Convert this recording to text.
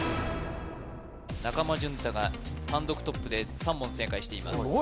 中間淳太が単独トップで３問正解していますすごい！